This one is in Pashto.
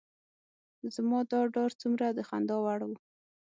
زما دا ډار څومره د خندا وړ و.